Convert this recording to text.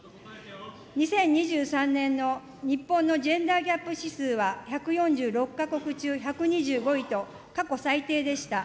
２０２３年の日本のジェンダー・ギャップ指数は１４６か国中１２５位と過去最低でした。